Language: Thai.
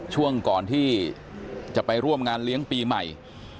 ช่วงก่อนที่จะไปร่วมงานเลี้ยงปีใหม่